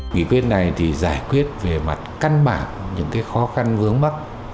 nghị quyết này thì giải quyết về mặt căn bản những khó khăn vướng mắt